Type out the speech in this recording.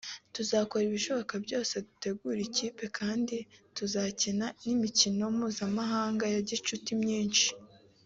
tuzakora ibishoboka byose dutegure ikipe kandi tuzakina n’imikino mpuzamahanga ya gicuti myinshi